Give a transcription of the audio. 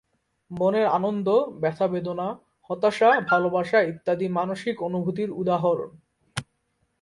মনের আনন্দ, ব্যাথা-বেদনা, হতাশা, ভালোবাসা ইত্যাদি মানসিক অনুভূতির উদাহরণ।